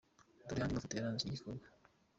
Dore andi mafoto yaranze iki gikorwa .